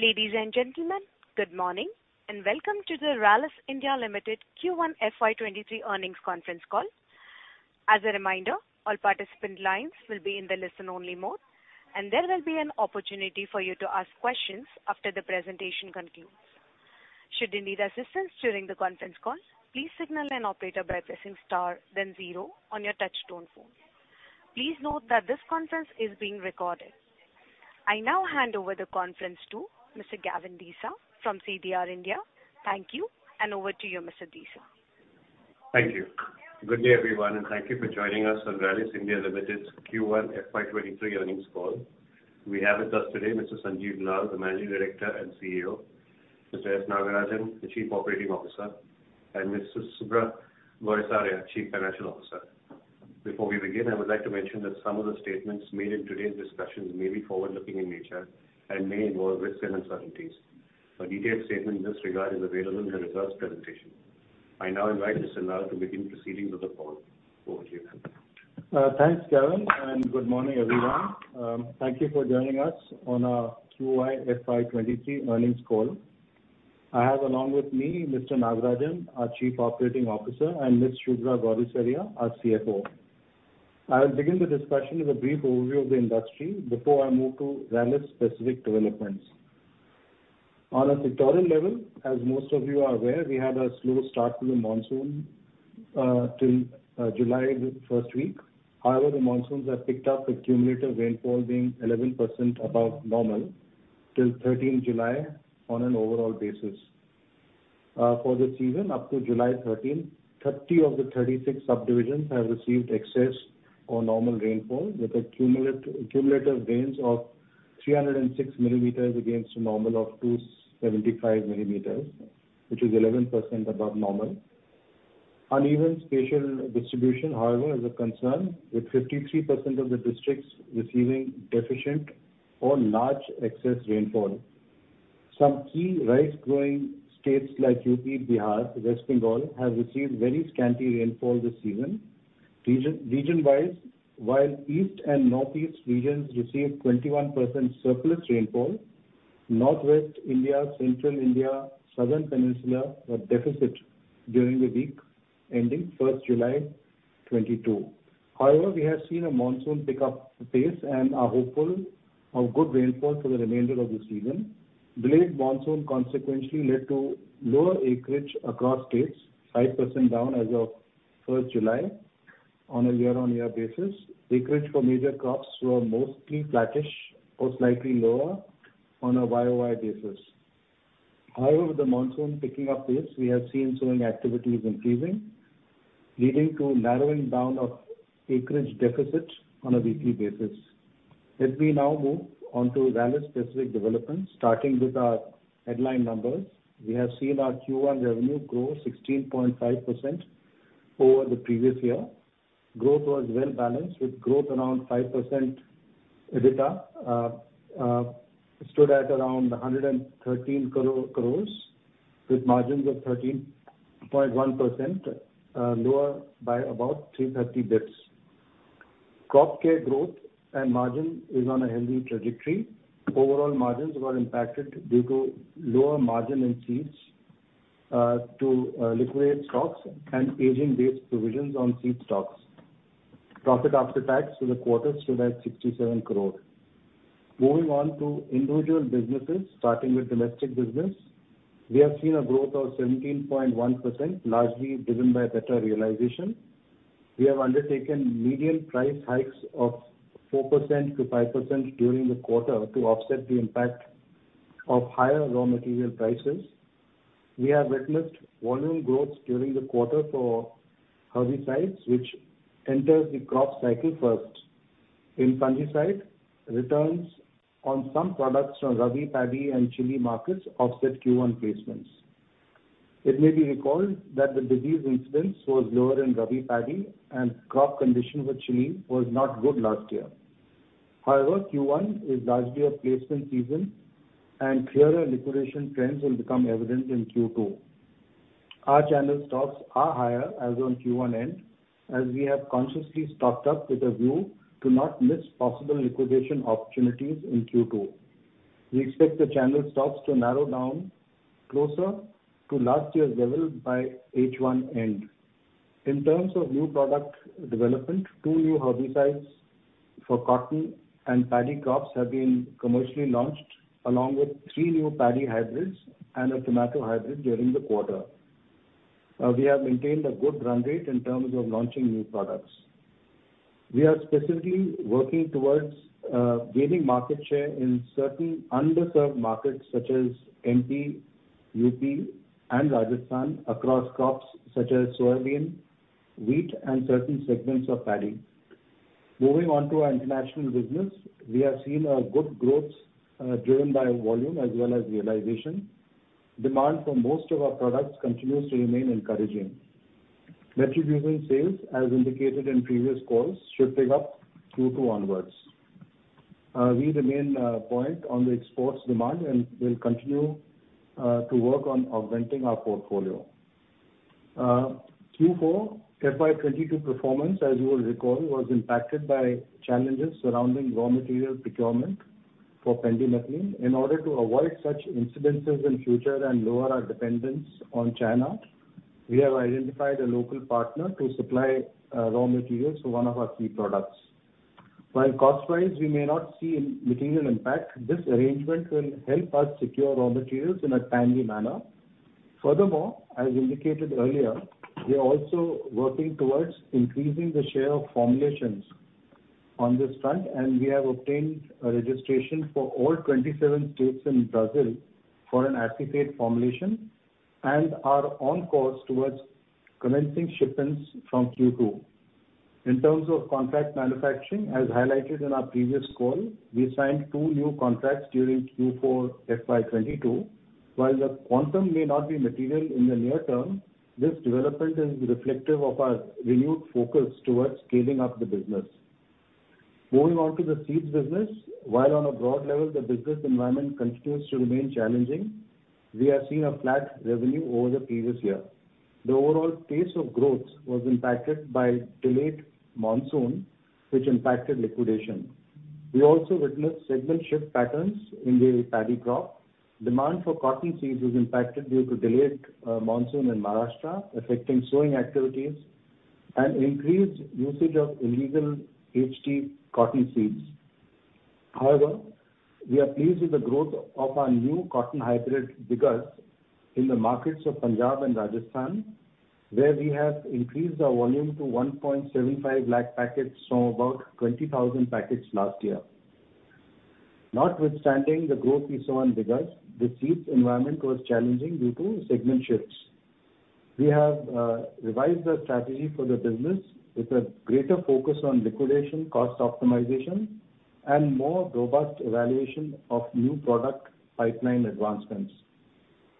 Ladies and gentlemen, good morning, and welcome to the Rallis India Limited Q1 FY 2023 earnings conference call. As a reminder, all participant lines will be in the listen-only mode, and there will be an opportunity for you to ask questions after the presentation concludes. Should you need assistance during the conference call, please signal an operator by pressing star then zero on your touch tone phone. Please note that this conference is being recorded. I now hand over the conference to Mr. Gavin Desa from CDR India. Thank you, and over to you, Mr. Desa. Thank you. Good day, everyone, and thank you for joining us on Rallis India Limited's Q1 FY 2023 earnings call. We have with us today Mr. Sanjiv Lal, the Managing Director and CEO, Mr. S. Nagarajan, the Chief Operating Officer, and Ms. Subhra Gourisaria, Chief Financial Officer. Before we begin, I would like to mention that some of the statements made in today's discussions may be forward-looking in nature and may involve risks and uncertainties. A detailed statement in this regard is available in the results presentation. I now invite Mr. Lal to begin proceedings of the call. Over to you. Thanks, Gavin, and good morning, everyone. Thank you for joining us on our Q1 FY 2023 earnings call. I have along with me Mr. S. Nagarajan, our Chief Operating Officer, and Ms. Subhra Gourisaria, our CFO. I'll begin the discussion with a brief overview of the industry before I move to Rallis specific developments. On a sectoral level, as most of you are aware, we had a slow start to the monsoon till July first week. However, the monsoons have picked up with cumulative rainfall being 11% above normal till July 13 on an overall basis. For the season up to July 13, 30 of the 36 subdivisions have received excess or normal rainfall with cumulative rains of 306 millimeters against a normal of 275 millimeters, which is 11% above normal. Uneven spatial distribution, however, is a concern, with 53% of the districts receiving deficient or large excess rainfall. Some key rice-growing states like UP, Bihar, West Bengal, have received very scanty rainfall this season. Region-wise, while East and Northeast regions received 21% surplus rainfall, Northwest India, Central India, Southern Peninsula were deficit during the week ending July 1, 2022. However, we have seen a monsoon pick up pace and are hopeful of good rainfall for the remainder of the season. Delayed monsoon consequently led to lower acreage across states, 5% down as of July 1 on a year-on-year basis. Acreage for major crops were mostly flattish or slightly lower on a YOY basis. However, with the monsoon picking up pace, we have seen sowing activities increasing, leading to narrowing down of acreage deficit on a weekly basis. Let me now move on to Rallis-specific developments. Starting with our headline numbers. We have seen our Q1 revenue grow 16.5% over the previous year. Growth was well-balanced with growth around 5%. EBITDA stood at around 113 crores with margins of 13.1%, lower by about 330 basis points. Crop care growth and margin is on a healthy trajectory. Overall margins were impacted due to lower margin in seeds to liquidate stocks and aging-based provisions on seed stocks. Profit after tax for the quarter stood at 67 crores. Moving on to individual businesses, starting with domestic business. We have seen a growth of 17.1%, largely driven by better realization. We have undertaken median price hikes of 4%-5% during the quarter to offset the impact of higher raw material prices. We have witnessed volume growth during the quarter for herbicides which enters the crop cycle first. In fungicide, returns on some products from rabi paddy and chili markets offset Q1 placements. It may be recalled that the disease incidence was lower in rabi paddy and crop condition for chili was not good last year. However, Q1 is largely a placement season and clearer liquidation trends will become evident in Q2. Our channel stocks are higher as on Q1 end, as we have consciously stocked up with a view to not miss possible liquidation opportunities in Q2. We expect the channel stocks to narrow down closer to last year's level by H1 end. In terms of new product development, two new herbicides for cotton and paddy crops have been commercially launched, along with three new paddy hybrids and a tomato hybrid during the quarter. We have maintained a good run rate in terms of launching new products. We are specifically working towards gaining market share in certain underserved markets such as MP, UP and Rajasthan across crops such as soybean, wheat, and certain segments of paddy. Moving on to our international business. We have seen a good growth driven by volume as well as realization. Demand for most of our products continues to remain encouraging. Metribuzin sales, as indicated in previous calls, should pick up Q2 onwards. We remain buoyant on the exports demand and will continue to work on augmenting our portfolio. Q4 FY 2022 performance, as you will recall, was impacted by challenges surrounding raw material procurement for pendimethalin. In order to avoid such incidents in future and lower our dependence on China, we have identified a local partner to supply raw materials to one of our key products. While cost-wise, we may not see a material impact, this arrangement will help us secure raw materials in a timely manner. Furthermore, as indicated earlier, we are also working towards increasing the share of formulations on this front, and we have obtained a registration for all 27 states in Brazil for an acephate formulation and are on course towards commencing shipments from Q2. In terms of contract manufacturing, as highlighted in our previous call, we signed two new contracts during Q4 FY 2022. While the quantum may not be material in the near term, this development is reflective of our renewed focus towards scaling up the business. Moving on to the seeds business. While on a broad level the business environment continues to remain challenging, we have seen a flat revenue over the previous year. The overall pace of growth was impacted by delayed monsoon, which impacted liquidation. We also witnessed segment shift patterns in the paddy crop. Demand for cotton seeds was impacted due to delayed monsoon in Maharashtra, affecting sowing activities and increased usage of illegal HT cotton seeds. However, we are pleased with the growth of our new cotton hybrid, Diggaz, in the markets of Punjab and Rajasthan, where we have increased our volume to 1.75 lakh packets from about 20,000 packets last year. Notwithstanding the growth we saw in Diggaz, the seeds environment was challenging due to segment shifts. We have revised our strategy for the business with a greater focus on liquidation, cost optimization and more robust evaluation of new product pipeline advancements.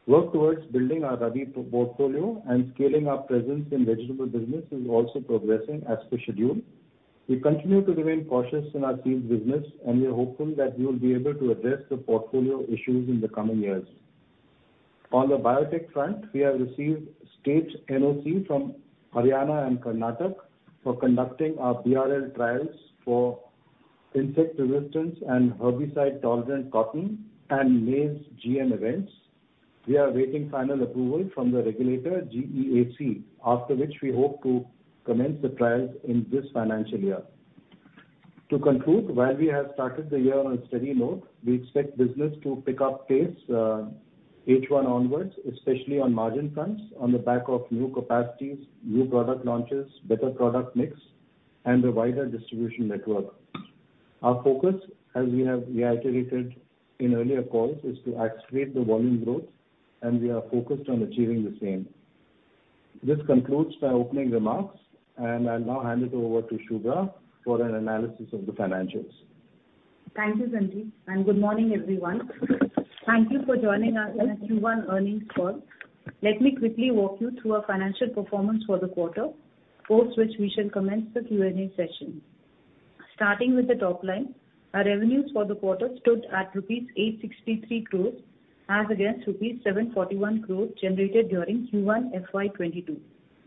Work towards building our rabi portfolio and scaling our presence in vegetable business is also progressing as per schedule. We continue to remain cautious in our seeds business, and we are hopeful that we will be able to address the portfolio issues in the coming years. On the biotech front, we have received state NOC from Haryana and Karnataka for conducting our BRL-1 trials for insect resistance and herbicide-tolerant cotton and maize GM events. We are awaiting final approval from the regulator, GEAC, after which we hope to commence the trials in this financial year. To conclude, while we have started the year on a steady note, we expect business to pick up pace, H1 onwards, especially on margin fronts on the back of new capacities, new product launches, better product mix and a wider distribution network. Our focus, as we have reiterated in earlier calls, is to accelerate the volume growth and we are focused on achieving the same. This concludes my opening remarks, and I'll now hand it over to Subhra for an analysis of the financials. Thank you, Sanjiv Lal, and good morning, everyone. Thank you for joining us in our Q1 earnings call. Let me quickly walk you through our financial performance for the quarter, post which we shall commence the Q&A session. Starting with the top line, our revenues for the quarter stood at INR 863 crores as against INR 741 crores generated during Q1 FY 2022,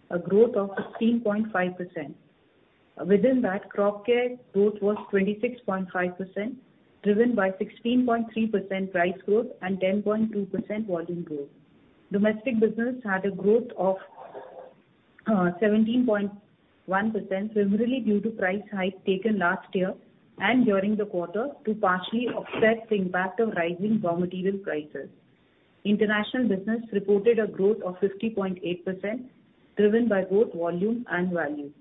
a growth of 16.5%. Within that, crop care growth was 26.5%, driven by 16.3% price growth and 10.2% volume growth. Domestic business had a growth of 17.1%, primarily due to price hikes taken last year and during the quarter to partially offset the impact of rising raw material prices. International business reported a growth of 50.8%, driven by both volume and value.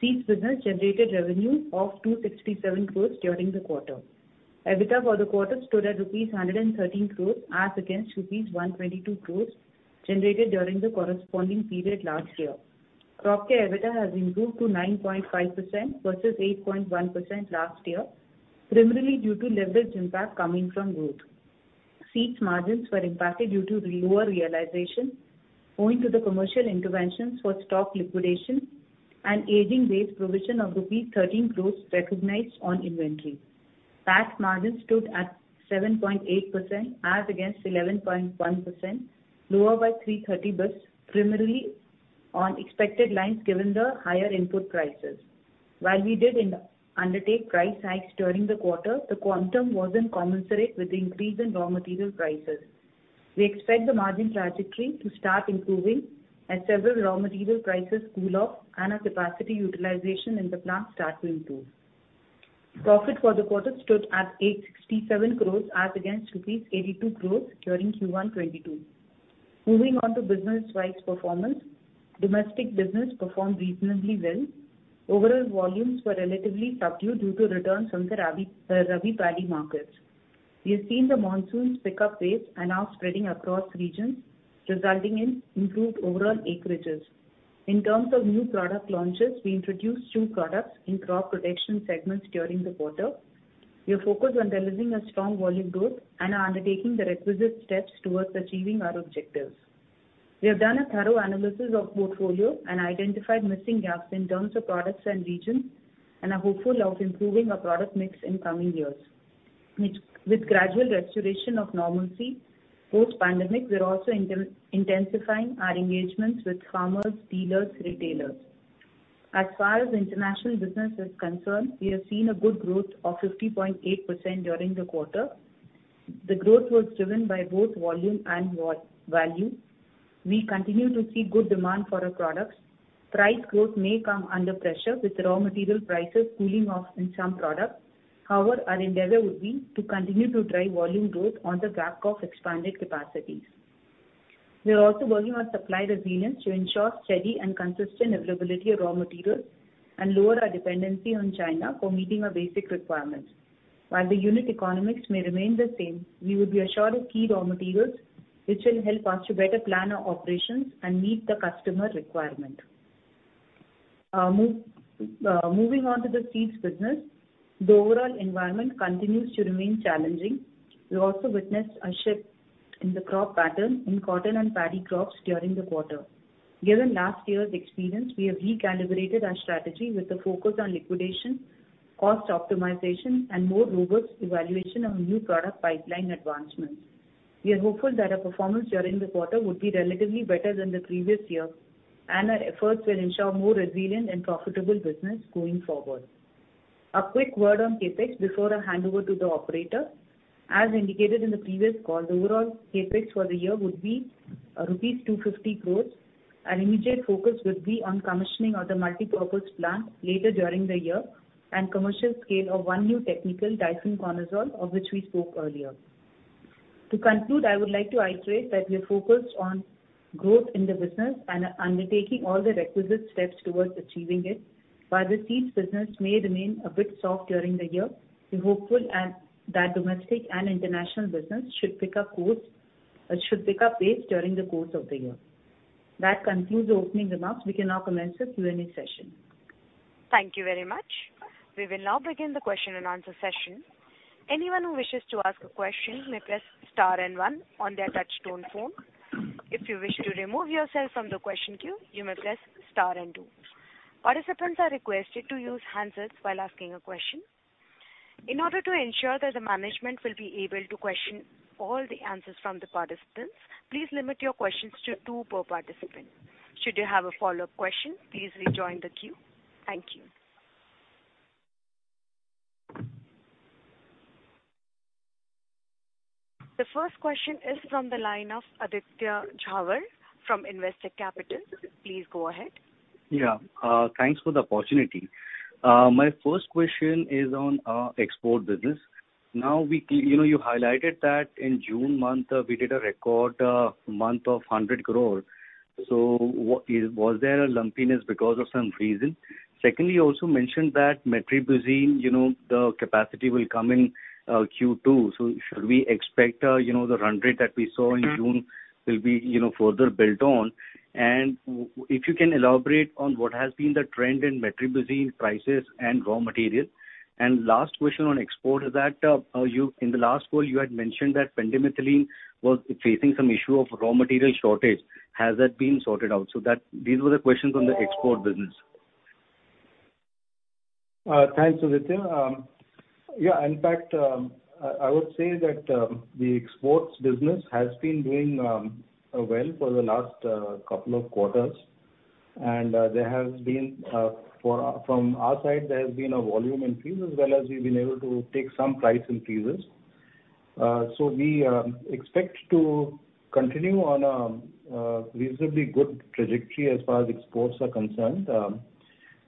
Seeds business generated revenue of 267 crore during the quarter. EBITDA for the quarter stood at rupees 113 crore as against rupees 122 crore generated during the corresponding period last year. Crop care EBITDA has improved to 9.5% versus 8.1% last year, primarily due to leverage impact coming from growth. Seeds margins were impacted due to lower realization owing to the commercial interventions for stock liquidation and aging-based provision of rupees 13 crore recognized on inventory. PAT margin stood at 7.8% as against 11.1%, lower by 330 basis points, primarily on expected lines given the higher input prices. While we did undertake price hikes during the quarter, the quantum wasn't commensurate with the increase in raw material prices. We expect the margin trajectory to start improving as several raw material prices cool off and our capacity utilization in the plant start to improve. Profit for the quarter stood at 867 crore as against rupees 82 crore during Q1 2022. Moving on to business-wise performance. Domestic business performed reasonably well. Overall volumes were relatively subdued due to returns from the rabi paddy markets. We have seen the monsoons pick up pace and are spreading across regions, resulting in improved overall acreages. In terms of new product launches, we introduced two products in crop protection segments during the quarter. We are focused on delivering a strong volume growth and are undertaking the requisite steps towards achieving our objectives. We have done a thorough analysis of portfolio and identified missing gaps in terms of products and regions, and are hopeful of improving our product mix in coming years. With gradual restoration of normalcy post pandemic, we're also intensifying our engagements with farmers, dealers, retailers. As far as international business is concerned, we have seen a good growth of 50.8% during the quarter. The growth was driven by both volume and value. We continue to see good demand for our products. Price growth may come under pressure with raw material prices cooling off in some products. However, our endeavor would be to continue to drive volume growth on the back of expanded capacities. We are also working on supply resilience to ensure steady and consistent availability of raw materials and lower our dependency on China for meeting our basic requirements. While the unit economics may remain the same, we will be assured of key raw materials, which will help us to better plan our operations and meet the customer requirement. Moving on to the seeds business, the overall environment continues to remain challenging. We also witnessed a shift in the crop pattern in cotton and paddy crops during the quarter. Given last year's experience, we have recalibrated our strategy with a focus on liquidation, cost optimization, and more robust evaluation of new product pipeline advancements. We are hopeful that our performance during the quarter would be relatively better than the previous year, and our efforts will ensure more resilient and profitable business going forward. A quick word on CapEx before I hand over to the operator. As indicated in the previous call, the overall CapEx for the year would be rupees 250 crores. Our immediate focus would be on commissioning of the multipurpose plant later during the year and commercial scale of one new technical, Difenoconazole, of which we spoke earlier. To conclude, I would like to iterate that we are focused on growth in the business and are undertaking all the requisite steps towards achieving it. While the seeds business may remain a bit soft during the year, we're hopeful that domestic and international business should pick up pace during the course of the year. That concludes the opening remarks. We can now commence the Q&A session. Thank you very much. We will now begin the question and answer session. Anyone who wishes to ask a question may press star and one on their touch tone phone. If you wish to remove yourself from the question queue, you may press star and two. Participants are requested to use handsets while asking a question. In order to ensure that the management will be able to answer all the questions from the participants, please limit your questions to two per participant. Should you have a follow-up question, please rejoin the queue. Thank you. The first question is from the line of Aditya Jhawar from Investec Capital. Please go ahead. Yeah, thanks for the opportunity. My first question is on export business. Now you know, you highlighted that in June month, we did a record month of 100 crore. So was there a lumpiness because of some reason? Secondly, you also mentioned that metribuzin, you know, the capacity will come in Q2. So should we expect, you know, the run rate that we saw in June will be, you know, further built on? And if you can elaborate on what has been the trend in metribuzin prices and raw materials. And last question on export is that, in the last call, you had mentioned that pendimethalin was facing some issue of raw material shortage. Has that been sorted out? So these were the questions on the export business. Thanks, Aditya. Yeah, in fact, I would say that the exports business has been doing well for the last couple of quarters. There has been from our side a volume increase as well as we've been able to take some price increases. We expect to continue on a reasonably good trajectory as far as exports are concerned.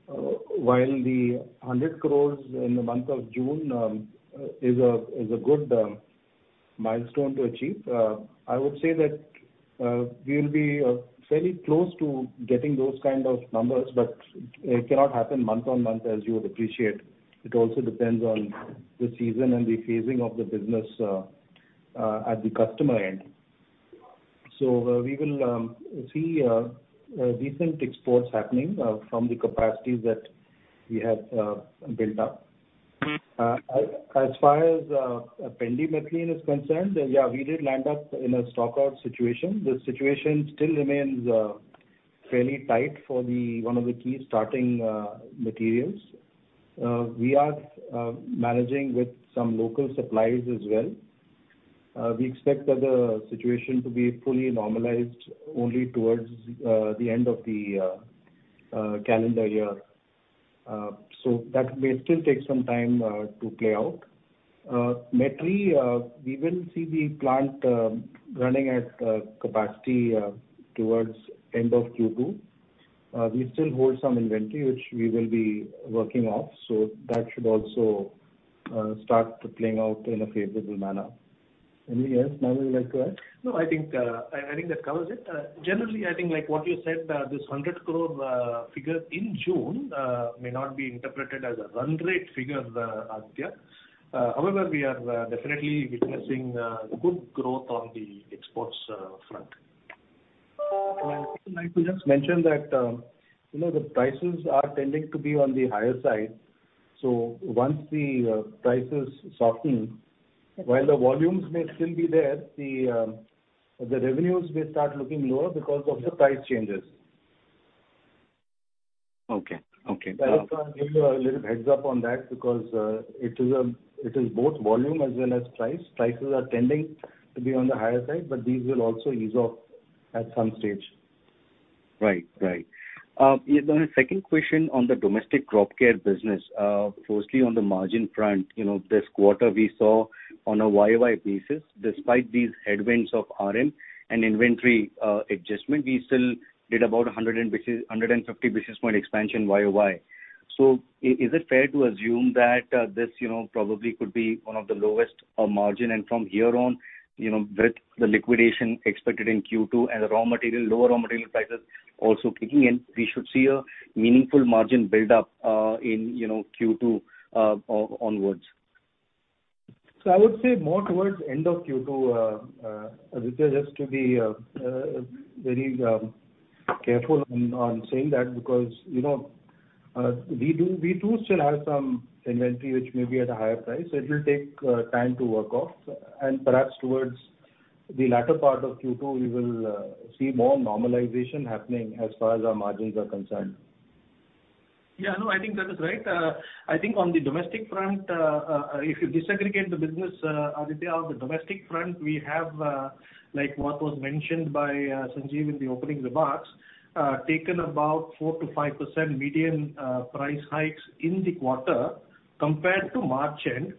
While 100 crore in the month of June is a good milestone to achieve, I would say that we'll be fairly close to getting those kind of numbers, but it cannot happen month-on-month as you would appreciate. It also depends on the season and the phasing of the business at the customer end. We will see decent exports happening from the capacities that we have built up. As far as pendimethalin is concerned, yeah, we did land up in a stockout situation. The situation still remains fairly tight for one of the key starting materials. We are managing with some local suppliers as well. We expect that the situation to be fully normalized only towards the end of the calendar year. That may still take some time to play out. Metribuzin, we will see the plant running at capacity towards end of Q2. We still hold some inventory which we will be working off, so that should also start playing out in a favorable manner. Anything else? S. Nagarajan you would like to add? No, I think that covers it. Generally, I think like what you said, this 100 crore figure in June may not be interpreted as a run rate figure, Aditya. However, we are definitely witnessing good growth on the exports front. I would also like to just mention that, you know, the prices are tending to be on the higher side. Once the prices soften, while the volumes may still be there, the revenues may start looking lower because of the price changes. Okay, okay. That's why I gave you a little heads up on that because it is both volume as well as price. Prices are tending to be on the higher side, but these will also ease off at some stage. Right. The second question on the domestic crop care business, closely on the margin front, you know, this quarter we saw on a YOY basis, despite these headwinds of RM and inventory adjustment, we still did about 150 basis point expansion YOY. Is it fair to assume that, this, you know, probably could be one of the lowest margin, and from here on, you know, with the liquidation expected in Q2 and the raw material, lower raw material prices also kicking in, we should see a meaningful margin build-up, in, you know, Q2 onwards. I would say more towards end of Q2, Aditya, just to be very careful on saying that because, you know, we too still have some inventory which may be at a higher price. It will take time to work off. Perhaps towards the latter part of Q2 we will see more normalization happening as far as our margins are concerned. Yeah, no, I think that is right. I think on the domestic front, if you disaggregate the business, Aditya, on the domestic front, we have, like what was mentioned by Sanjiv Lal in the opening remarks, taken about 4%-5% median price hikes in the quarter compared to March end,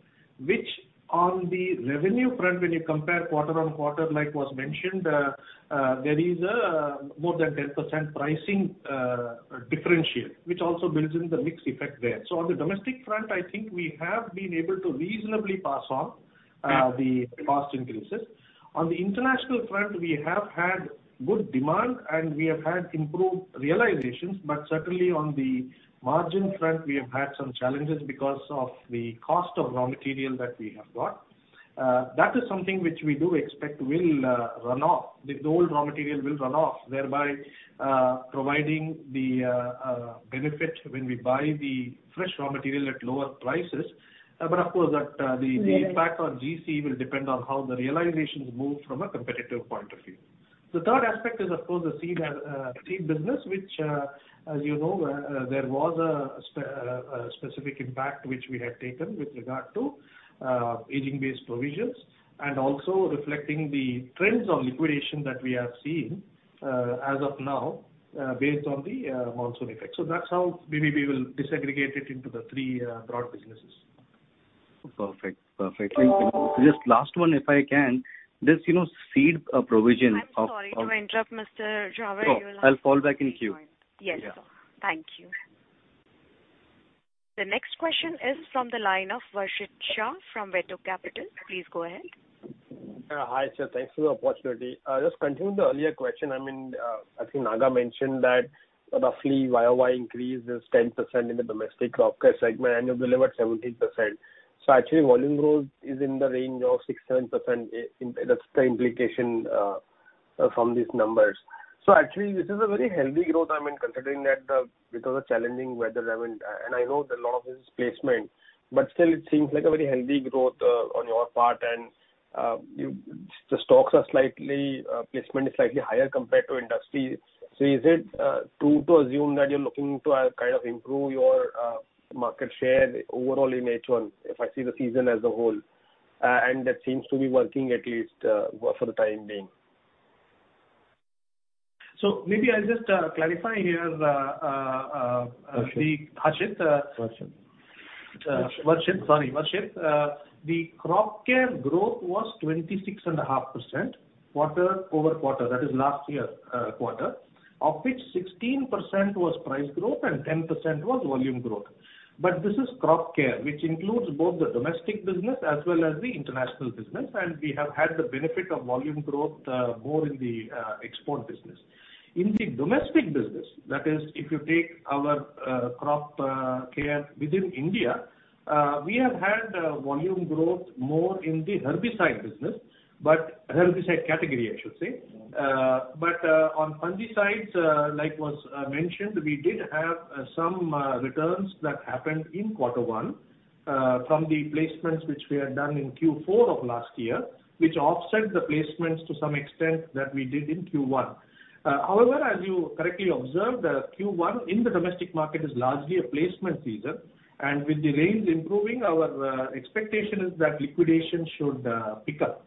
which on the revenue front, when you compare quarter-on-quarter, like was mentioned, there is more than 10% pricing differential, which also builds in the mix effect there. On the domestic front, I think we have been able to reasonably pass on the cost increases. On the international front, we have had good demand and we have had improved realizations, but certainly on the margin front we have had some challenges because of the cost of raw material that we have got. That is something which we do expect will run off. The old raw material will run off, thereby providing the benefit when we buy the fresh raw material at lower prices. Of course that the impact on GM will depend on how the realizations move from a competitive point of view. The third aspect is of course the seed business, which as you know there was a specific impact which we had taken with regard to aging-based provisions and also reflecting the trends of liquidation that we have seen as of now based on the monsoon effect. That's how maybe we will disaggregate it into the three broad businesses. Perfect. Just last one, if I can. This, you know, seed provision of. I'm sorry to interrupt, Mr. Jhawar. Oh, I'll fall back in queue. Yes, sir. Thank you. The next question is from the line of Varshit Shah from Veto Capital. Please go ahead. Hi, sir. Thanks for the opportunity. Just continuing the earlier question, I mean, I think S. Nagarajan mentioned that roughly YOY increase is 10% in the domestic crop care segment and you delivered 17%. Actually volume growth is in the range of 6%-7%. That's the implication from these numbers. Actually this is a very healthy growth, I mean, considering that because of challenging weather, I mean, and I know that a lot of it is placement, but still it seems like a very healthy growth on your part. The stocks are slightly, placement is slightly higher compared to industry. Is it true to assume that you're looking to kind of improve your market share overall in H1, if I see the season as a whole? That seems to be working at least, for the time being. Maybe I'll just clarify here, the Varshit. Varshit. Varshit. The crop care growth was 26.5% quarter-over-quarter, that is last year's quarter. Of which 16% was price growth and 10% was volume growth. This is crop care, which includes both the domestic business as well as the international business. We have had the benefit of volume growth, more in the export business. In the domestic business, that is if you take our crop care within India, we have had volume growth more in the herbicide business, but herbicide category, I should say. On fungicides, like was mentioned, we did have some returns that happened in Q1 from the placements which we had done in Q4 of last year, which offset the placements to some extent that we did in Q1. However, as you correctly observed, Q1 in the domestic market is largely a placement season. With the rains improving, our expectation is that liquidation should pick up.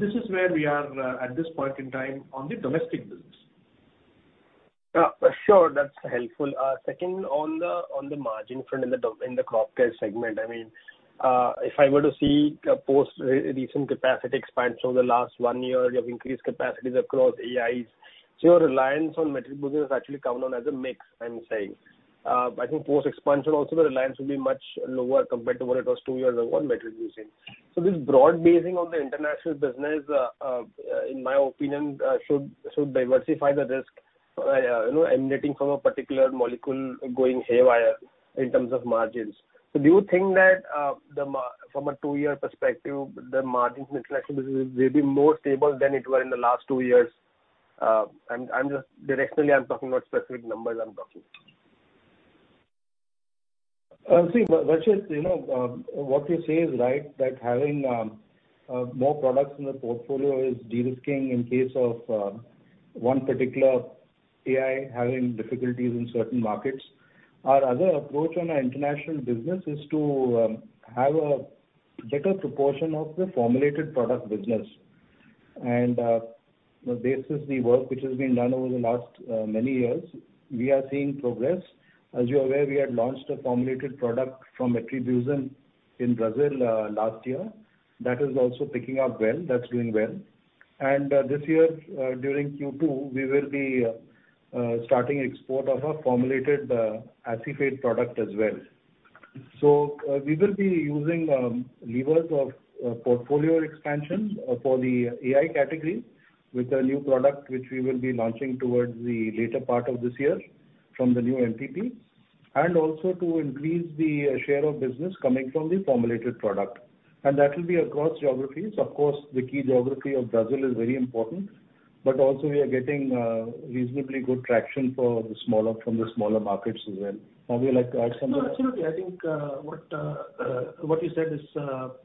This is where we are at this point in time on the domestic business. Sure. That's helpful. Second, on the margin front in the crop care segment, I mean, if I were to see a most recent capacity expansion over the last one year, you have increased capacities across AIs. So your reliance on material business has actually come down as a mix, I'm saying. I think post-expansion also the reliance will be much lower compared to what it was two years ago on material business. So this broad basing on the international business, in my opinion, should diversify the risk, you know, emanating from a particular molecule going haywire in terms of margins. So do you think that from a two-year perspective, the margins in international business will be more stable than it were in the last two years? I'm just, directionally, I'm talking about specific numbers. See, Varshit, you know, what you say is right, that having more products in the portfolio is de-risking in case of one particular AI having difficulties in certain markets. Our other approach on our international business is to have a better proportion of the formulated product business. This is the work which has been done over the last many years. We are seeing progress. As you're aware, we had launched a formulated product from metribuzin in Brazil last year. That is also picking up well, that's doing well. This year, during Q2, we will be starting export of a formulated acephate product as well. We will be using levers of portfolio expansion for the AI category with a new product which we will be launching towards the later part of this year from the new MPP, and also to increase the share of business coming from the formulated product. That will be across geographies. Of course, the key geography of Brazil is very important, but also we are getting reasonably good traction for the smaller markets as well. Would you like to add something? No, absolutely. I think what you said is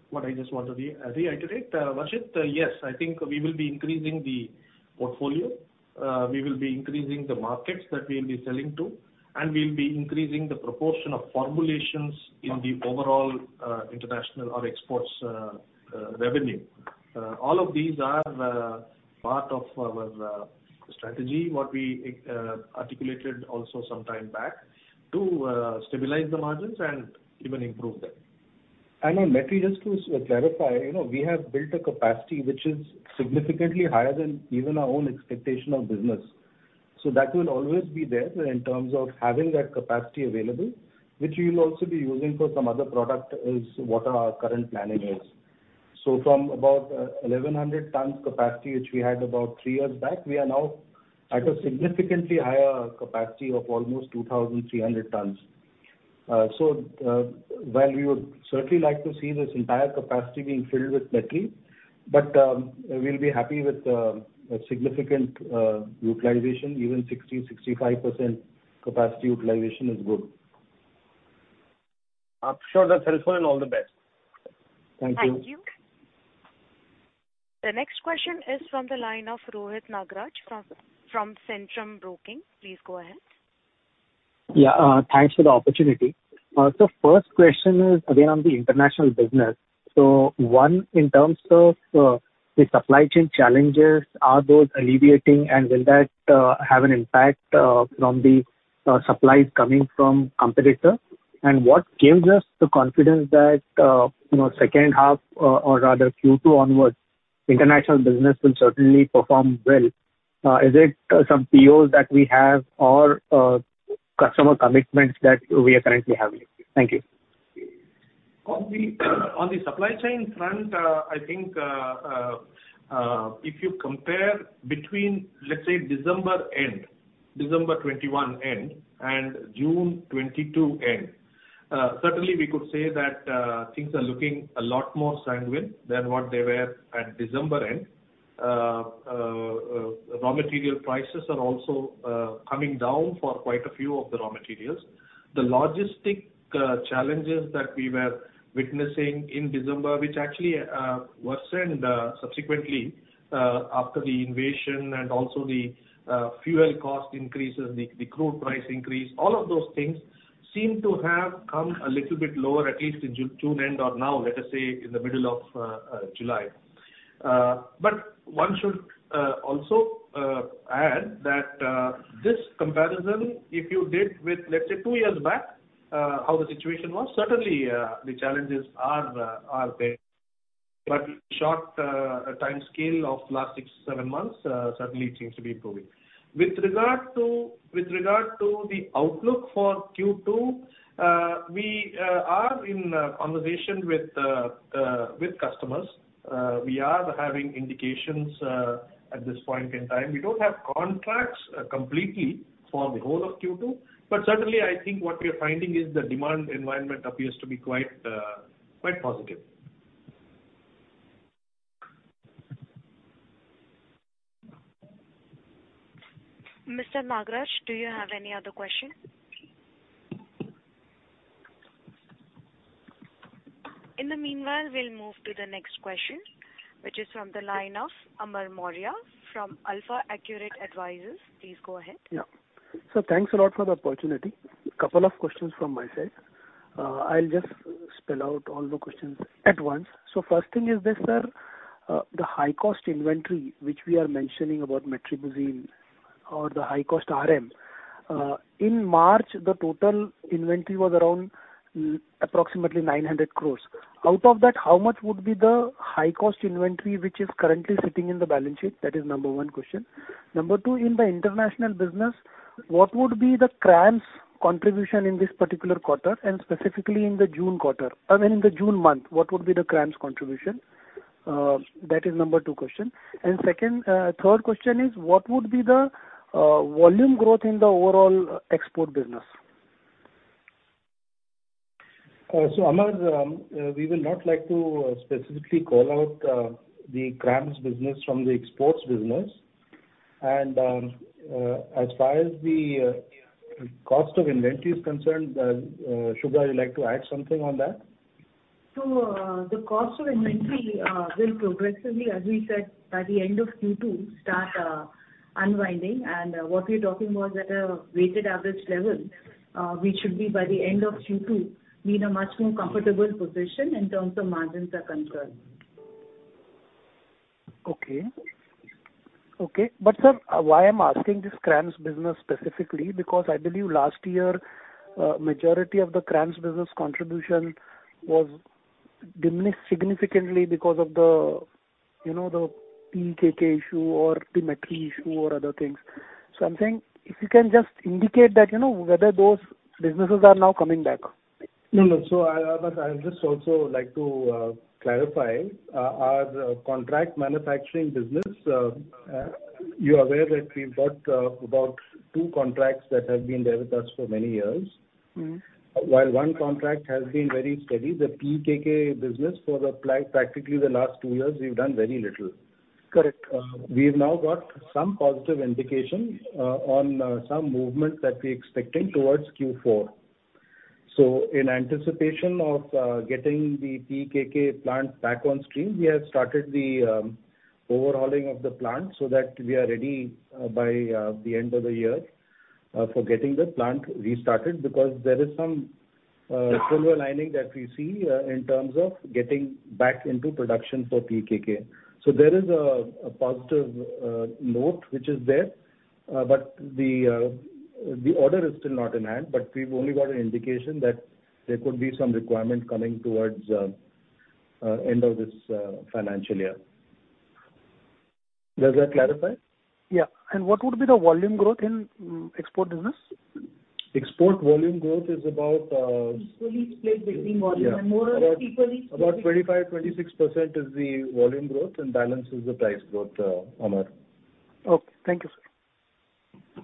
what I just want to reiterate. Varshit, yes, I think we will be increasing the portfolio. We will be increasing the markets that we'll be selling to, and we'll be increasing the proportion of formulations in the overall international or exports revenue. All of these are part of our strategy, what we articulated also some time back, to stabilize the margins and even improve them. On metribuzin, just to clarify, you know, we have built a capacity which is significantly higher than even our own expectation of business. That will always be there in terms of having that capacity available, which we will also be using for some other product, is what our current planning is. From about 1,100 tons capacity, which we had about three years back, we are now at a significantly higher capacity of almost 2,300 tons. While we would certainly like to see this entire capacity being filled with metribuzin, but we'll be happy with a significant utilization. Even 60%-65% capacity utilization is good. I'm sure that's helpful, and all the best. Thank you. Thank you. The next question is from the line of Rohit Nagraj from Centrum Broking. Please go ahead. Yeah. Thanks for the opportunity. First question is again on the international business. One, in terms of, the supply chain challenges, are those alleviating? Will that have an impact from the supplies coming from competitor? What gives us the confidence that, you know, H2, or rather Q2 onwards, international business will certainly perform well. Is it some POs that we have or customer commitments that we are currently having? Thank you. On the supply chain front, I think if you compare between, let's say, December end, December 2021 end, and June 2022 end, certainly we could say that raw material prices are also coming down for quite a few of the raw materials. The logistics challenges that we were witnessing in December, which actually worsened subsequently after the invasion and also the fuel cost increases, the crude price increase, all of those things seem to have come a little bit lower, at least in June end or now, let us say, in the middle of July. One should also add that this comparison, if you did with, let's say two years back, how the situation was, certainly the challenges are there. Short timescale of last six-seven months, certainly it seems to be improving. With regard to the outlook for Q2, we are in conversation with customers. We are having indications at this point in time. We don't have contracts completely for the whole of Q2, but certainly I think what we're finding is the demand environment appears to be quite positive. Mr. Nagraj, do you have any other question? In the meanwhile, we'll move to the next question, which is from the line of Amar Maurya from AlfAccurate Advisors. Please go ahead. Yeah. Sir, thanks a lot for the opportunity. Couple of questions from my side. I'll just spell out all the questions at once. First thing is this, sir. The high cost inventory which we are mentioning about metribuzin or the high cost RM. In March, the total inventory was around approximately 900 crore. Out of that, how much would be the high cost inventory which is currently sitting in the balance sheet? That is number one question. Number two, in the international business, what would be the CRAMS contribution in this particular quarter and specifically in the June quarter? I mean, in the June month, what would be the CRAMS contribution? That is number two question. Third question is what would be the volume growth in the overall export business? Amar, we will not like to specifically call out the CRAMS business from the exports business. As far as the cost of inventory is concerned, Subhra, you'd like to add something on that? The cost of inventory will progressively, as we said by the end of Q2, start unwinding. What we're talking about is at a weighted average level, we should be by the end of Q2 in a much more comfortable position in terms of margins are concerned. Sir, why I'm asking this CRAMS business specifically, because I believe last year, majority of the CRAMS business contribution was diminished significantly because of the, you know, the PKK issue or the metribuzin issue or other things. I'm saying, if you can just indicate that, you know, whether those businesses are now coming back. No, no. I, Amar, I would just also like to clarify. Our contract manufacturing business, you're aware that we've got about two contracts that have been there with us for many years. Mm-hmm. While one contract has been very steady, the PKK business for practically the last two years, we've done very little. Correct. We've now got some positive indications on some movement that we're expecting towards Q4. In anticipation of getting the PKK plant back on stream, we have started the overhauling of the plant so that we are ready by the end of the year for getting the plant restarted. Because there is some silver lining that we see in terms of getting back into production for PKK. There is a positive note which is there. The order is still not in hand, but we've only got an indication that there could be some requirement coming towards end of this financial year. Does that clarify? Yeah. What would be the volume growth in export business? Export volume growth is about. Equally split between volume. Yeah. More or less equally. About 25%-26% is the volume growth, and balance is the price growth, Amar. Okay. Thank you, sir.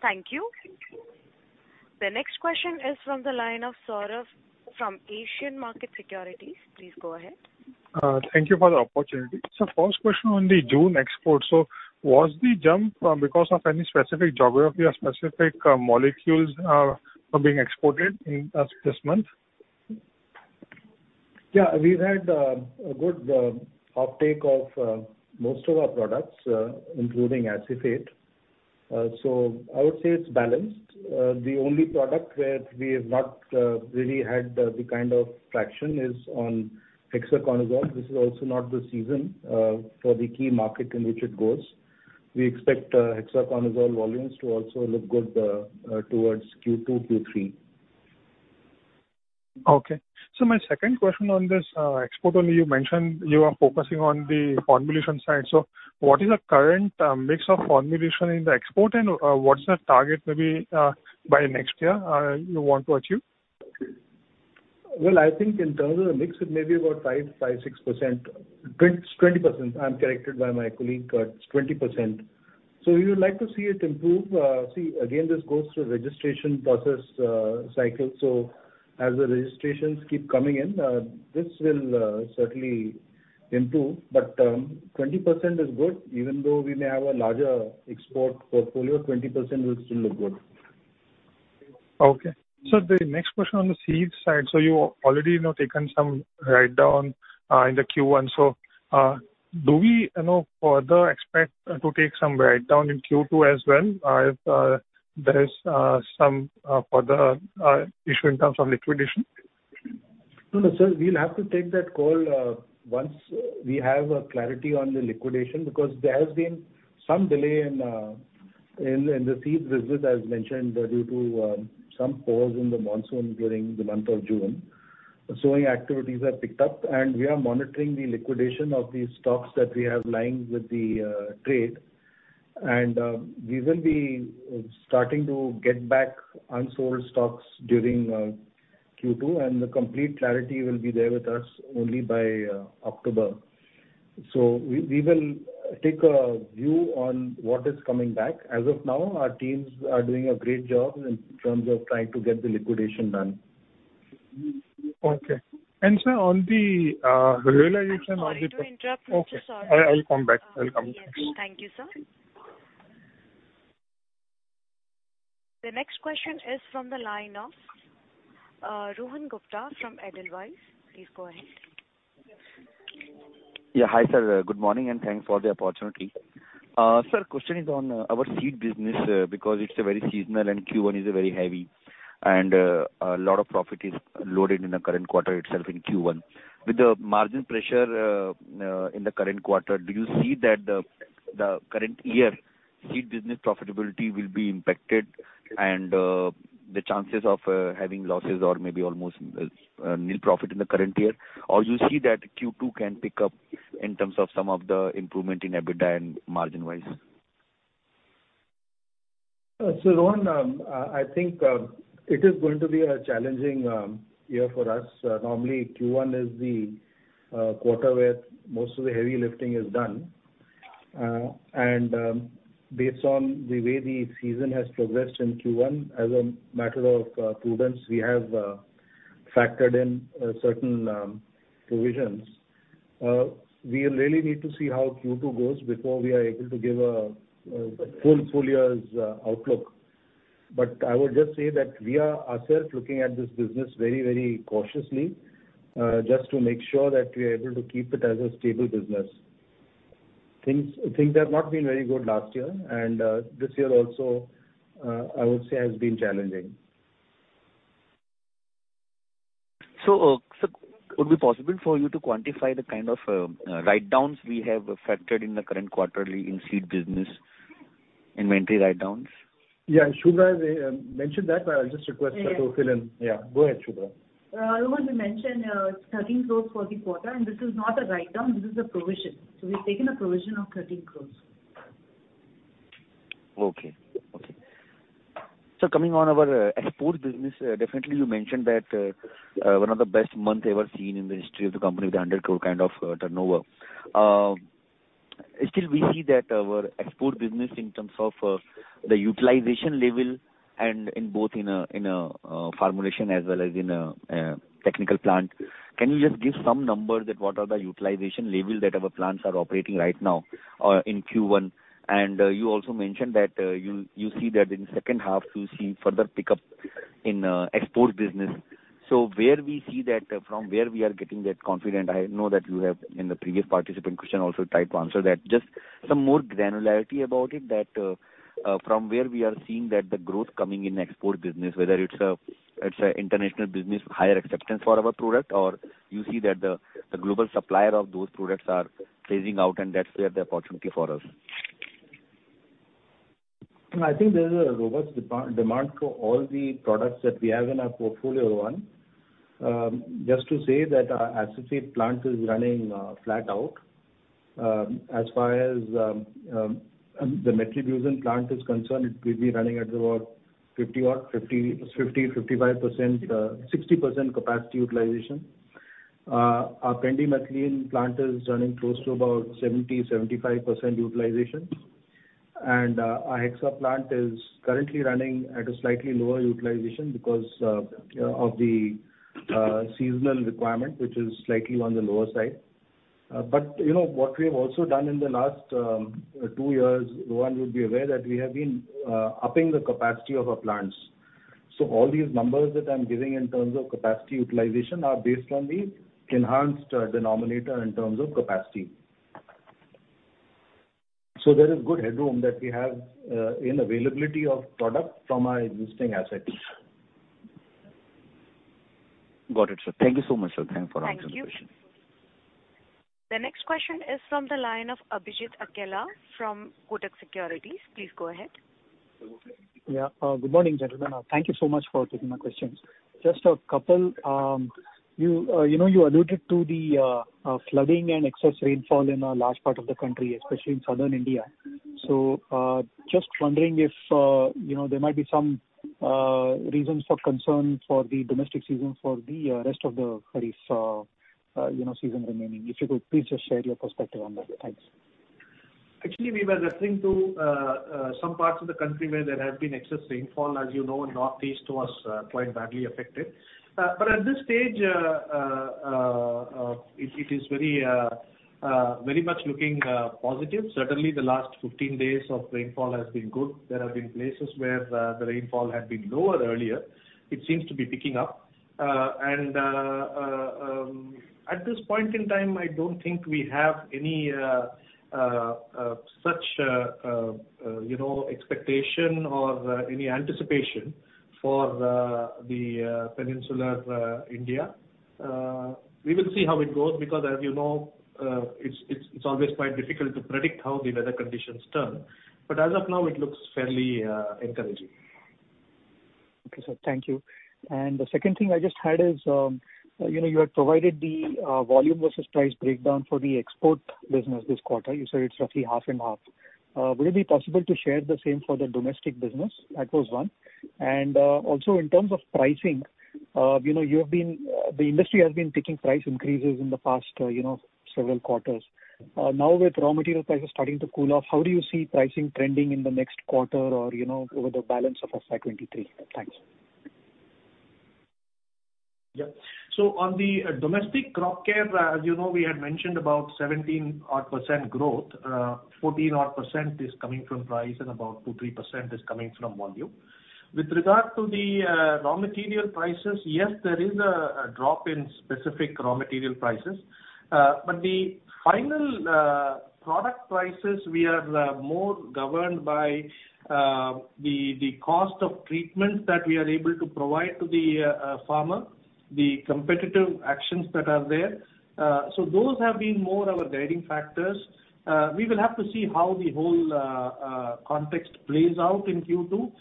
Thank you. The next question is from the line of Saurabh from Asian Markets Securities. Please go ahead. Thank you for the opportunity. First question on the June export. Was the jump because of any specific geography or specific molecules are being exported in this month? Yeah. We've had a good uptake of most of our products, including acephate. I would say it's balanced. The only product where we have not really had the kind of traction is on hexaconazole. This is also not the season for the key market in which it goes. We expect hexaconazole volumes to also look good towards Q2, Q3. Okay. My second question on this, export only, you mentioned you are focusing on the formulation side. What is the current mix of formulation in the export, and what is the target maybe by next year you want to achieve? I think in terms of the mix, it may be about 5%-6%. 20%. I'm corrected by my colleague. It's 20%. We would like to see it improve. Again, this goes through a registration process cycle. As the registrations keep coming in, this will certainly improve. 20% is good. Even though we may have a larger export portfolio, 20% will still look good. Okay. The next question on the seeds side, you already, you know, taken some write down in the Q1. Do we, you know, further expect to take some write down in Q2 as well? If there is some further issue in terms of liquidation? No, no, sir, we'll have to take that call once we have clarity on the liquidation, because there has been some delay in the seeds business, as mentioned, due to some pause in the monsoon during the month of June. Sowing activities have picked up, and we are monitoring the liquidation of these stocks that we have lying with the trade. We will be starting to get back unsold stocks during Q2, and the complete clarity will be there with us only by October. We will take a view on what is coming back. As of now, our teams are doing a great job in terms of trying to get the liquidation done. Okay. Sir, on the realization. I'm sorry to interrupt, Mr. Saurabh. Okay. I will come back. Yes. Thank you, sir. The next question is from the line of Rohan Gupta from Edelweiss. Please go ahead. Hi, sir. Good morning, and thanks for the opportunity. Sir, question is on our seed business because it's very seasonal and Q1 is very heavy and a lot of profit is loaded in the current quarter itself in Q1. With the margin pressure in the current quarter, do you see that the current year seed business profitability will be impacted and the chances of having losses or maybe almost NIL profit in the current year, or you see that Q2 can pick up in terms of some of the improvement in EBITDA and margin-wise? Rohan, I think it is going to be a challenging year for us. Normally Q1 is the quarter where most of the heavy lifting is done. Based on the way the season has progressed in Q1, as a matter of prudence, we have factored in certain provisions. We really need to see how Q2 goes before we are able to give a full year's outlook. I would just say that we are ourselves looking at this business very cautiously, just to make sure that we are able to keep it as a stable business. Things have not been very good last year, and this year also, I would say has been challenging. Sir, would it be possible for you to quantify the kind of write-downs we have affected in the current quarterly in seed business, inventory write-downs? Yeah. Subhra mentioned that. I'll just request her to fill in. Yeah. Yeah, go ahead, Subhra. Rohan, we mentioned thirteen crores for the quarter, and this is not a write-down, this is a provision. We've taken a provision of 13 crore. Coming on our export business, definitely you mentioned that one of the best month ever seen in the history of the company with 100 crore kind of turnover. Still we see that our export business in terms of the utilization level and in both in a formulation as well as in a technical plant. Can you just give some numbers that what are the utilization level that our plants are operating right now in Q1? And you also mentioned that you'll you see that in H2 you'll see further pickup in export business. Where we see that from where we are getting that confident, I know that you have in the previous participant question also tried to answer that. Just some more granularity about it that from where we are seeing that the growth coming in export business, whether it's an international business, higher acceptance for our product, or you see that the global supplier of those products are phasing out and that's where the opportunity for us. I think there's a robust demand for all the products that we have in our portfolio, Rohan. Just to say that our acephate plant is running flat out. As far as the metribuzin plant is concerned, it will be running at about 50%-60% capacity utilization. Our pendimethalin plant is running close to about 70%-75% utilization. Our hexaconazole plant is currently running at a slightly lower utilization because you know of the seasonal requirement, which is slightly on the lower side. You know what we have also done in the last two years, Rohan. You'd be aware that we have been upping the capacity of our plants. All these numbers that I'm giving in terms of capacity utilization are based on the enhanced denominator in terms of capacity. There is good headroom that we have, in availability of product from our existing assets. Got it, sir. Thank you so much, sir. Thanks for answering the question. Thank you. The next question is from the line of Abhijit Akella from Kotak Securities. Please go ahead. Yeah. Good morning, gentlemen. Thank you so much for taking my questions. Just a couple. You know, you alluded to the flooding and excess rainfall in a large part of the country, especially in southern India. Just wondering if, you know, there might be some reasons for concern for the domestic season, for the rest of the kharif, you know, season remaining. If you could please just share your perspective on that. Thanks. Actually, we were referring to some parts of the country where there has been excess rainfall. As you know, Northeast was quite badly affected. At this stage, it is very much looking positive. Certainly the last 15 days of rainfall has been good. There have been places where the rainfall had been lower earlier. It seems to be picking up. At this point in time, I don't think we have any such, you know, expectation or any anticipation for the Peninsular India. We will see how it goes because as you know, it's always quite difficult to predict how the weather conditions turn. As of now, it looks fairly encouraging. Okay, sir. Thank you. The second thing I just had is, you know, you had provided the volume versus price breakdown for the export business this quarter. You said it's roughly half and half. Would it be possible to share the same for the domestic business? That was one. Also in terms of pricing, you know, you have been, the industry has been taking price increases in the past, you know, several quarters. Now with raw material prices starting to cool off, how do you see pricing trending in the next quarter or, you know, over the balance of FY 2023? Thanks. Yeah. On the domestic crop care, as you know, we had mentioned about 17 odd percent growth. 14 odd percent is coming from price and about 2%-3% is coming from volume. With regard to the raw material prices, yes, there is a drop in specific raw material prices. But the final product prices, we are more governed by the cost of treatments that we are able to provide to the farmer, the competitive actions that are there. So those have been more our guiding factors. We will have to see how the whole context plays out in Q2.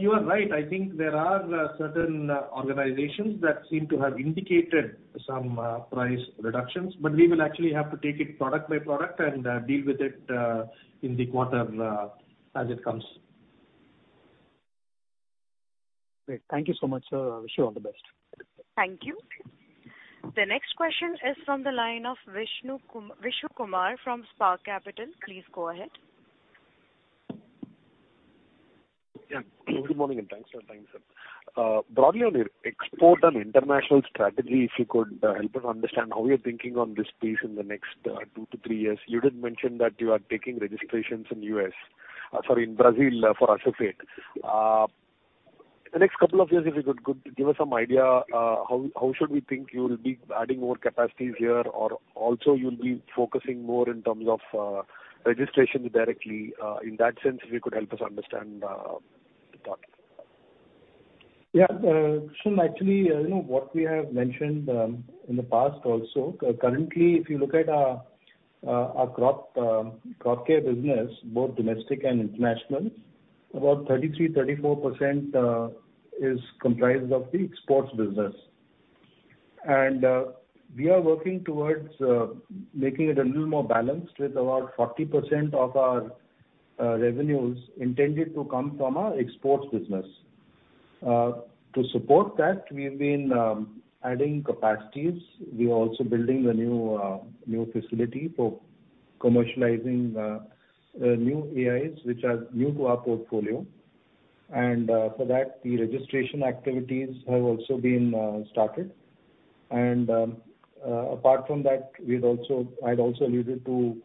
You are right, I think there are certain organizations that seem to have indicated some price reductions, but we will actually have to take it product by product and deal with it in the quarter as it comes. Great. Thank you so much, sir. I wish you all the best. Thank you. The next question is from the line of Vishnu Kumar from Spark Capital. Please go ahead. Yeah. Good morning, and thanks for your time, sir. Broadly on your export and international strategy, if you could help us understand how you're thinking on this piece in the next two-three years. You did mention that you are taking registrations in US, sorry, in Brazil, for acephate. The next couple of years, if you could give us some idea how we should think you will be adding more capacities here or also you'll be focusing more in terms of registration directly, in that sense, if you could help us understand the thought. Yeah. Actually, you know, what we have mentioned in the past also, currently if you look at our crop care business, both domestic and international, about 33%-34% is comprised of the exports business. We are working towards making it a little more balanced with about 40% of our revenues intended to come from our exports business. To support that, we've been adding capacities. We are also building a new facility for commercializing new AIs, which are new to our portfolio. For that the registration activities have also been started. Apart from that, we've also. I'd also alluded to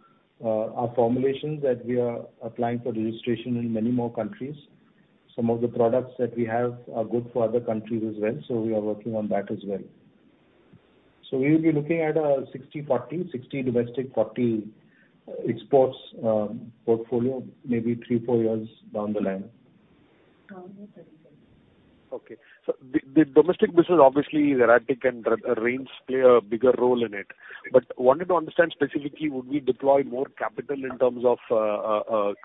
our formulations that we are applying for registration in many more countries. Some of the products that we have are good for other countries as well, so we are working on that as well. We will be looking at 60/40. 60 domestic, 40 exports, portfolio, maybe three-four years down the line. Okay. Okay. The domestic business obviously erratic and the rains play a bigger role in it. Wanted to understand specifically, would we deploy more capital in terms of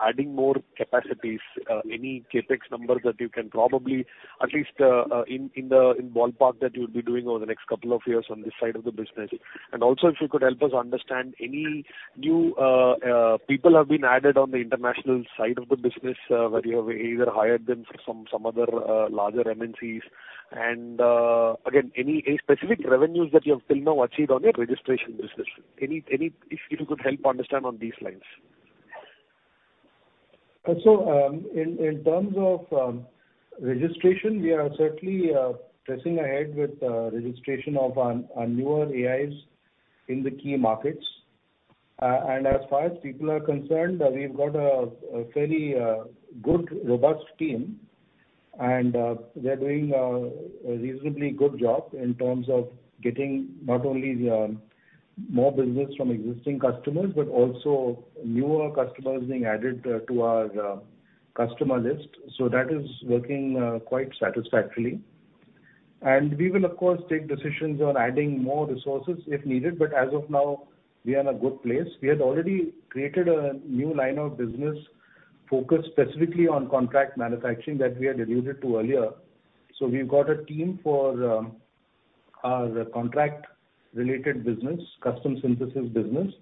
adding more capacities, any CapEx number that you can probably at least in ballpark that you'll be doing over the next couple of years on this side of the business. Also if you could help us understand any new people have been added on the international side of the business, where you have either hired them from some other larger MNCs and again any specific revenues that you have till now achieved on your registration business. If you could help understand on these lines. In terms of registration, we are certainly pressing ahead with registration of our newer AIs in the key markets. As far as people are concerned, we've got a fairly good robust team, and they're doing a reasonably good job in terms of getting not only the more business from existing customers, but also newer customers being added to our customer list. That is working quite satisfactorily. We will of course take decisions on adding more resources if needed, but as of now, we are in a good place. We had already created a new line of business focused specifically on contract manufacturing that we had alluded to earlier. We've got a team for our contract related business, custom synthesis business.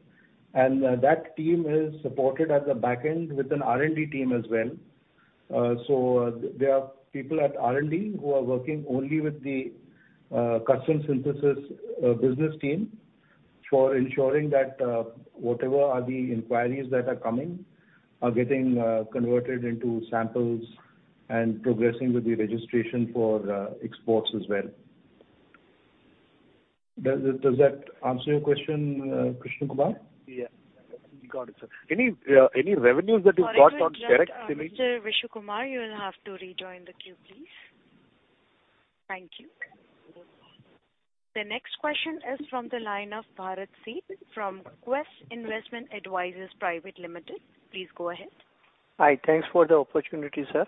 That team is supported at the back end with an R&D team as well. There are people at R&D who are working only with the custom synthesis business team for ensuring that whatever are the inquiries that are coming are getting converted into samples and progressing with the registration for exports as well. Does that answer your question, Vishnu Kumar? Yeah. Got it, sir. Any revenues that you've got on direct- Sorry to interrupt, Mr. Vishnu Kumar, you'll have to rejoin the queue, please. Thank you. The next question is from the line of Bharat Sheth from Quest Investment Advisors Private Limited. Please go ahead. Hi. Thanks for the opportunity, sir.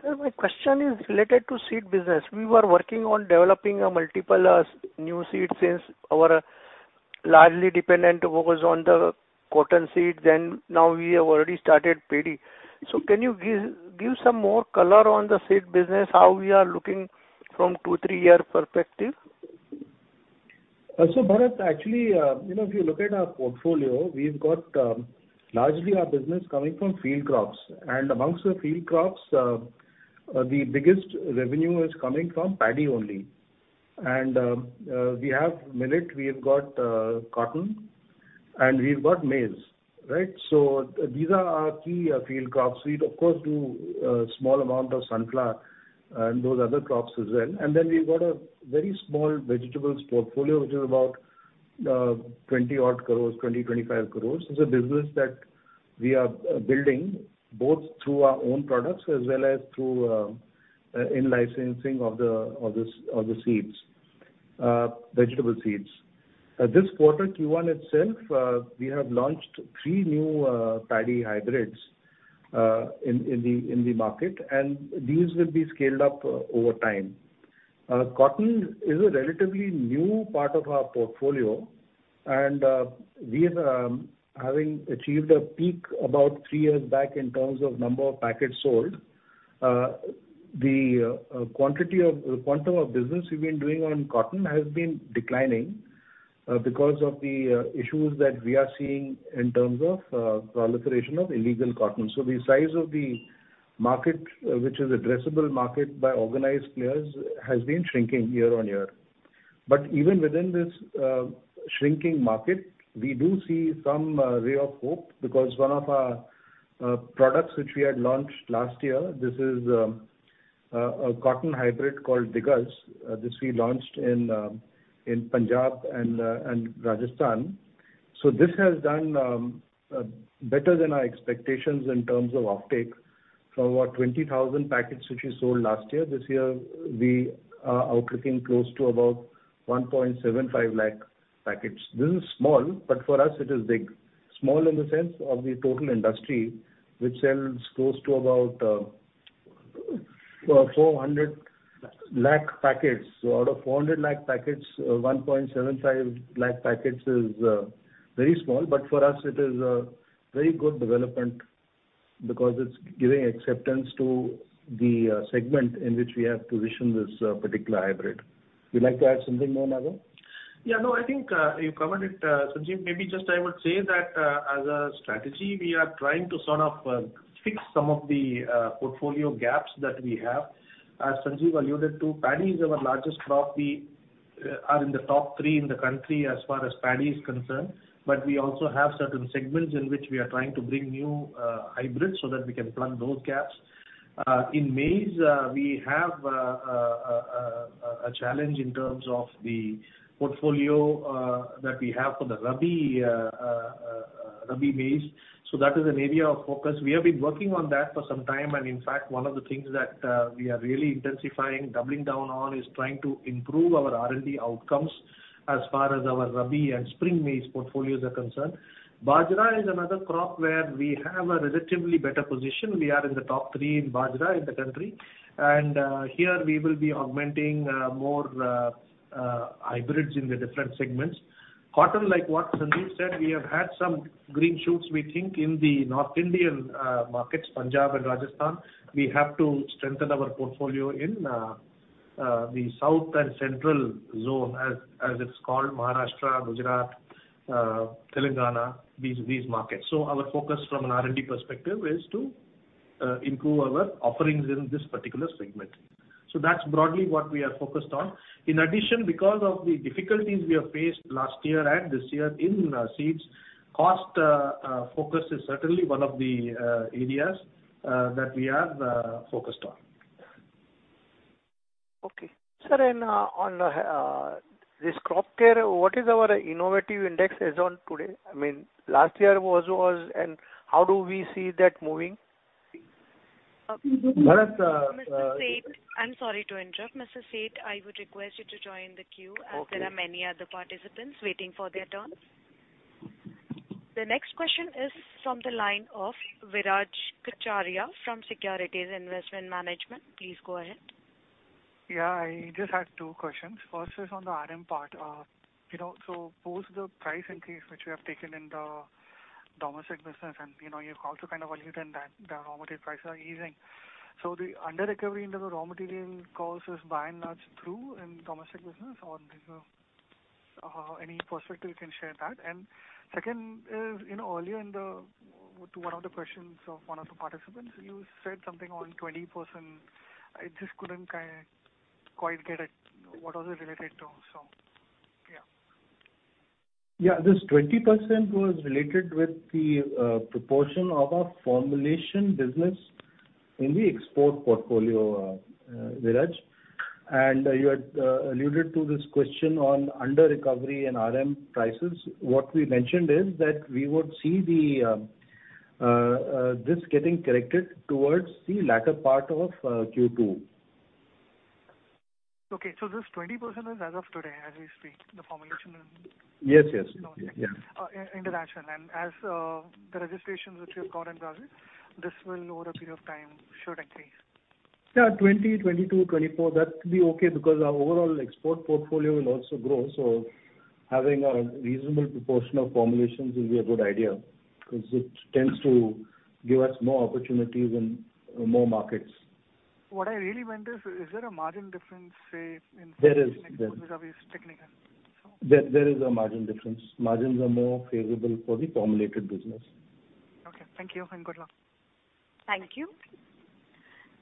Sir, my question is related to seed business. We were working on developing a multiple new seed since our largely dependent was on the cotton seed, then now we have already started paddy. Can you give some more color on the seed business, how we are looking from two-three-year perspective? Bharat, actually, you know, if you look at our portfolio, we've got largely our business coming from field crops. Among the field crops, the biggest revenue is coming from paddy only. We have millet, we have got cotton, and we've got maize, right? These are our key field crops. We of course do a small amount of sunflower and those other crops as well. Then we've got a very small vegetables portfolio, which is about 20-odd crore, 20-25 crore. It's a business that we are building both through our own products as well as through in licensing of the seeds, vegetable seeds. This quarter, Q1 itself, we have launched three new paddy hybrids in the market, and these will be scaled up over time. Cotton is a relatively new part of our portfolio, and having achieved a peak about 3 years back in terms of number of packets sold, the quantum of business we've been doing on cotton has been declining. Because of the issues that we are seeing in terms of proliferation of illegal cotton, the size of the market, which is addressable market by organized players, has been shrinking year-on-year. Even within this shrinking market, we do see some ray of hope because one of our products which we had launched last year, this is a cotton hybrid called Diggaz. This we launched in Punjab and Rajasthan. This has done better than our expectations in terms of offtake. From our 20,000 packets which we sold last year, this year we are looking close to about 1.75 lakh packets. This is small, but for us it is big. Small in the sense of the total industry, which sells close to about 400 lakh packets. Out of 400 lakh packets, 1.75 lakh packets is very small, but for us it is a very good development because it's giving acceptance to the segment in which we have positioned this particular hybrid. You'd like to add something more, S. Nagarajan? Yeah, no, I think you covered it, Sanjiv. Maybe just I would say that, as a strategy, we are trying to sort of fix some of the portfolio gaps that we have. As Sanjiv alluded to, paddy is our largest crop. We are in the top three in the country as far as paddy is concerned. But we also have certain segments in which we are trying to bring new hybrids so that we can plug those gaps. In maize, we have a challenge in terms of the portfolio that we have for the rabi maize. That is an area of focus. We have been working on that for some time, and in fact, one of the things that we are really intensifying, doubling down on, is trying to improve our R&D outcomes as far as our rabi and spring maize portfolios are concerned. Bajra is another crop where we have a relatively better position. We are in the top three in Bajra in the country. Here we will be augmenting more hybrids in the different segments. Cotton, like what Sanjiv Lal said, we have had some green shoots we think in the North Indian markets, Punjab and Rajasthan. We have to strengthen our portfolio in the south and central zone as it's called Maharashtra, Gujarat, Telangana, these markets. Our focus from an R&D perspective is to improve our offerings in this particular segment. That's broadly what we are focused on. In addition, because of the difficulties we have faced last year and this year, focus is certainly one of the areas that we are focused on. Okay. Sir, and on this crop care, what is our innovative index as on today? I mean, last year was. How do we see that moving? Bharat. Mr. Sheth. I'm sorry to interrupt. Mr. Sheth, I would request you to join the queue. Okay. As there are many other participants waiting for their turns. The next question is from the line of Viraj Kacharia from Securities Investment Management. Please go ahead. Yeah. I just had two questions. First is on the RM part. You know, so post the price increase which we have taken in the domestic business, and, you know, you've also kind of alluded that the raw material prices are easing. The under-recovery under the raw material cost is by and large through in domestic business or is there any perspective you can share that? Second is, you know, earlier, to one of the questions of one of the participants, you said something on 20%. I just couldn't quite get it. What was it related to? Yeah. Yeah. This 20% was related with the proportion of our formulation business in the export portfolio, Viraj. You had alluded to this question on under-recovery and RM prices. What we mentioned is that we would see this getting corrected towards the latter part of Q2. Okay. This 20% is as of today as we speak, the formulation- Yes, yes. Okay. Yes. As the registrations which you have got in Brazil, this will, over a period of time, should increase. Yeah, 2020, 2022, 2024, that could be okay because our overall export portfolio will also grow. Having a reasonable proportion of formulations will be a good idea because it tends to give us more opportunities in more markets. What I really meant is there a margin difference, say, in- There is. Vis-à-vis technical? So. There is a margin difference. Margins are more favorable for the formulated business. Okay. Thank you and good luck. Thank you.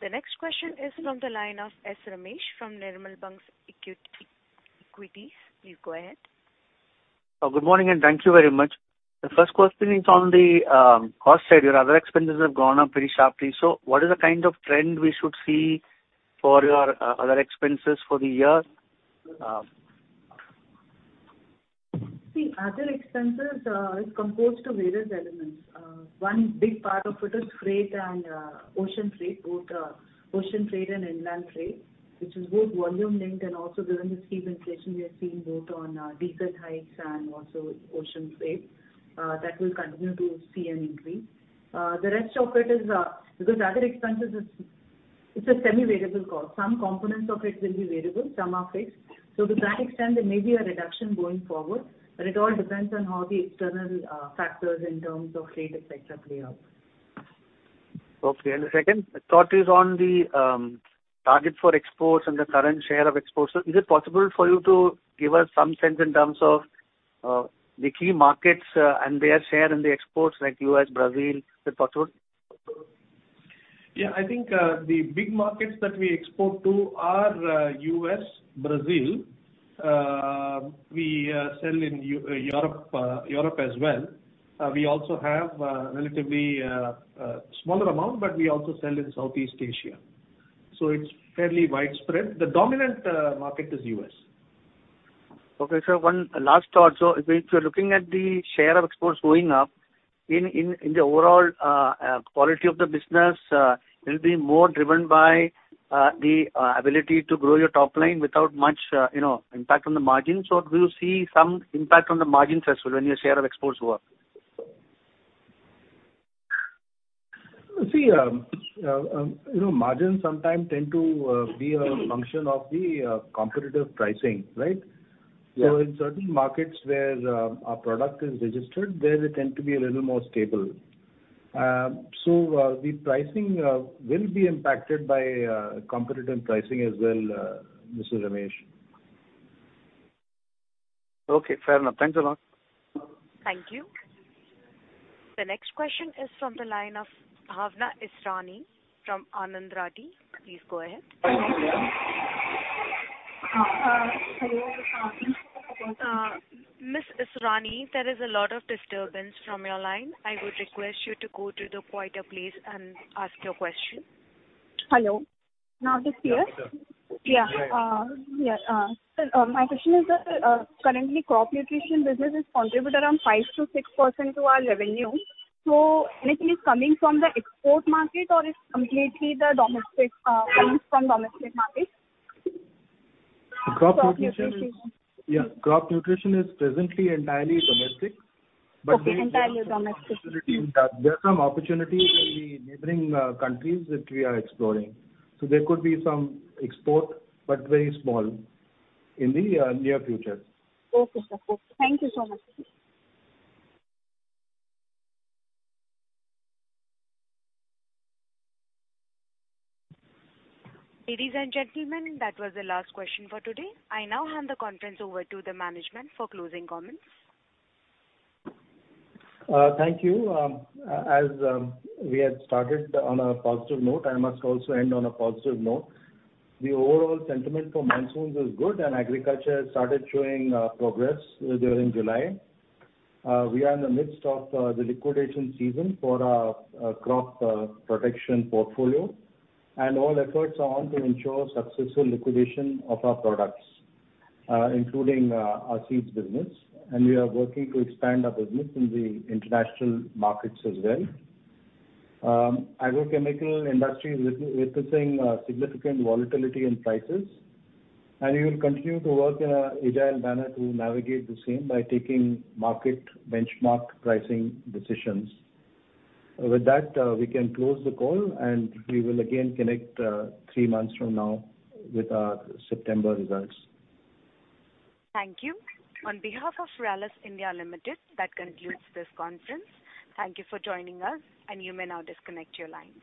The next question is from the line of Ramesh Sankaranarayanan from Nirmal Bang Equities. Please go ahead. Oh, good morning, and thank you very much. The first question is on the cost side. Your other expenses have gone up pretty sharply. What is the kind of trend we should see for your other expenses for the year? The other expenses is composed of various elements. One big part of it is freight, both ocean freight and inland freight, which is both volume linked and also during this steep inflation we are seeing both on diesel hikes and also ocean freight. That will continue to see an increase. The rest of it is a semi-variable cost. Some components of it will be variable, some are fixed. To that extent, there may be a reduction going forward, but it all depends on how the external factors in terms of freight et cetera play out. Okay. The second thought is on the target for exports and the current share of exports. Is it possible for you to give us some sense in terms of the key markets and their share in the exports like U.S., Brazil? Is it possible? Yeah. I think the big markets that we export to are U.S., Brazil. We sell in Europe as well. We also have relatively a smaller amount, but we also sell in Southeast Asia, so it's fairly widespread. The dominant market is U.S. Okay. One last thought. If we're looking at the share of exports going up in the overall quality of the business, it'll be more driven by the ability to grow your top line without much, you know, impact on the margins. Do you see some impact on the margins as well when your share of exports go up? See, you know, margins sometimes tend to be a function of the competitive pricing, right? Yeah. In certain markets where our product is registered, there they tend to be a little more stable. The pricing will be impacted by competitive pricing as well, Mr. Ramesh. Okay, fair enough. Thanks a lot. Thank you. The next question is from the line of Bhawana Israni from Anand Rathi. Please go ahead. Ms. Israni, there is a lot of disturbance from your line. I would request you to go to the quieter place and ask your question. Hello. Now this clear? Yes. My question is that, currently crop nutrition business is contribute around 5%-6% to our revenue. Anything is coming from the export market or it's completely the domestic, comes from domestic market? Crop nutrition is. Crop nutrition. Yeah. Crop nutrition is presently entirely domestic, but there is- Okay, entirely domestic. There are some opportunities in the neighboring countries that we are exploring. There could be some export, but very small in the near future. Okay, sir. Thank you so much. Ladies and gentlemen, that was the last question for today. I now hand the conference over to the management for closing comments. Thank you. As we had started on a positive note, I must also end on a positive note. The overall sentiment for monsoons is good and agriculture has started showing progress during July. We are in the midst of the liquidation season for our crop protection portfolio and all efforts are on to ensure successful liquidation of our products, including our seeds business, and we are working to expand our business in the international markets as well. Agrochemical industry is witnessing significant volatility in prices, and we will continue to work in an agile manner to navigate the same by taking market benchmark pricing decisions. With that, we can close the call, and we will again connect three months from now with our September results. Thank you. On behalf of Rallis India Limited, that concludes this conference. Thank you for joining us and you may now disconnect your lines.